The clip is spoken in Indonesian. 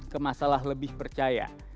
ke masalah lebih percaya